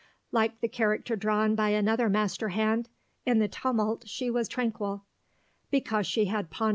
Like the character drawn by another master hand, "in the tumult she was tranquil," because she had pondered when at rest.